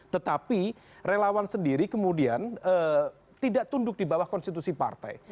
tetapi relawan sendiri kemudian tidak tunduk di bawah konstitusi partai